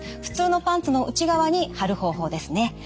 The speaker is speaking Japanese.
普通のパンツの内側に貼る方法ですね。